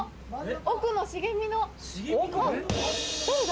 奥の茂みの誰だ？